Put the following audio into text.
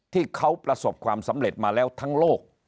ที่เขาประสบความสำเร็จมาแล้วทั้งโลก